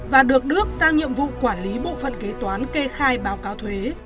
và được đức giao nhiệm vụ quản lý bộ phận kế toán kê khai báo cáo thuế